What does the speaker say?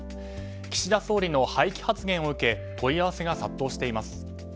岸田総理の廃棄発言を受け問い合わせが殺到しています。